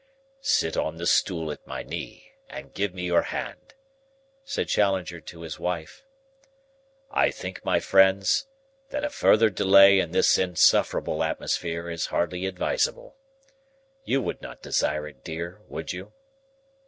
"Sit on the stool at my knee and give me your hand," said Challenger to his wife. "I think, my friends, that a further delay in this insufferable atmosphere is hardly advisable. You would not desire it, dear, would you?"